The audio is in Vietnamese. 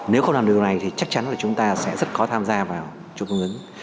nếu không làm điều này thì chắc chắn là chúng ta sẽ rất khó tham gia vào chuỗi cung ứng